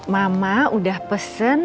mama udah pesen